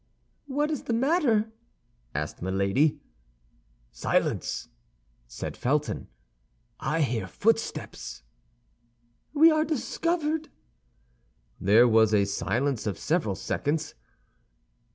"What is the matter?" asked Milady. "Silence," said Felton, "I hear footsteps." "We are discovered!" There was a silence of several seconds.